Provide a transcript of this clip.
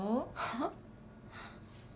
はっ？